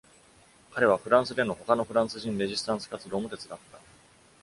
彼はフランスでの他のフランス人レジスタンス活動も手伝った。